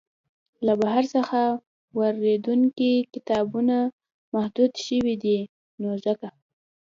له بهر څخه واریدیدونکي کتابونه محدود شوي دی نو ځکه.